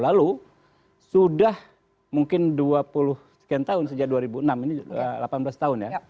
lalu sudah mungkin dua puluh sekian tahun sejak dua ribu enam ini delapan belas tahun ya